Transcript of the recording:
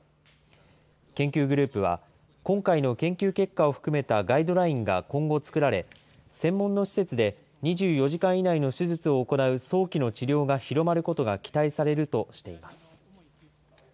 研究グループは今回の研究結果を含めたガイドラインが今後作られ、専門の施設で２４時間以内の手術を行う早期の治療が広まることが期待されるとしています。